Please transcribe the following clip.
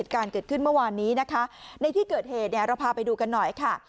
การเกิดขึ้นเมื่อวานนี้นะคะในที่เกิดเหตุเนี่ยเราพาไปดูกันหน่อยค่ะ